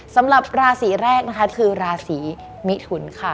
สำหรับราศีแรกนะคะคือราศีมิถุนค่ะ